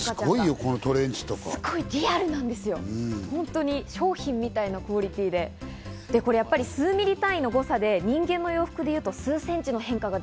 すごいよ、このトレンチとか。商品みたいなクオリティーで、やっぱり数ミリ単位の誤差で人間の洋服でいうと数センチの変化が